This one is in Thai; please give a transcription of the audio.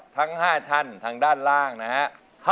ทั้ง๕ท่านทางด้านล่างนะครับ